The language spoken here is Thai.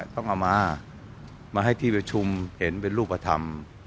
ต้องเอามามาให้ที่ประชุมเห็นเป็นรูปธรรม